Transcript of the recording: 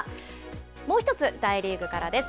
もう１つ大リーグからです。